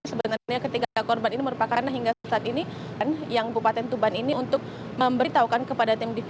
sebenarnya ketiga korban ini merupakan hingga saat ini yang bupati tuban ini untuk memberitahukan kepada tim dvi